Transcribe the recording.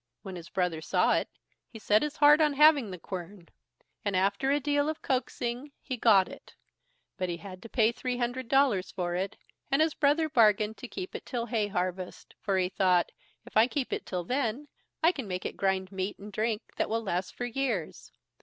When his brother saw it, he set his heart on having the quern, and, after a deal of coaxing, he got it; but he had to pay three hundred dollars for it, and his brother bargained to keep it till hay harvest, for he thought, if I keep it till then, I can make it grind meat and drink that will last for years.